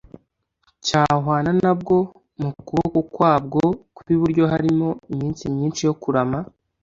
cyahwana na bwo Mu kuboko kwabwo kw iburyo harimo iminsi myinshi yo kurama